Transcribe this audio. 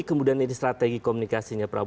kemudian ini strategi komunikasi